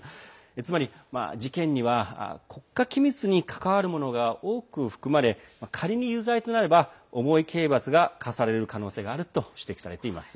つまり、事件には国家機密に関わるものが多く含まれ、仮に有罪となれば重い刑罰が科される可能性があると指摘されています。